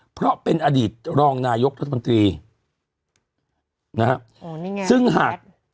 เพราะเป็นอดีตรองนายกรัฐมนตรีนะฮะอ๋อนี่ไงซึ่งหาก